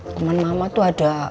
temen mama tuh ada